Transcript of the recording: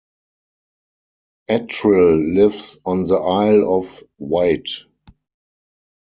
Attrill lives on the Isle of Wight.